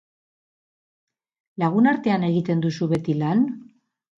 Lagunartean egiten duzu beti lan?